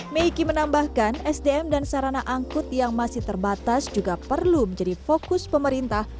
meiki menambahkan sdm dan sarana angkut yang masih terbatas juga perlu menjadi fokus pemerintah